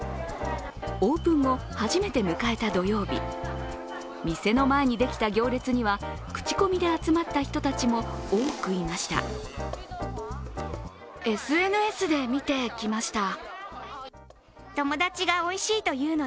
オープン後初めて迎えた土曜日、店の前にできた行列には口コミで集まった人たちも多くいました。